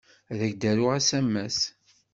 Ad ak-d-aruɣ asamas.